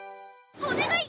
お願い！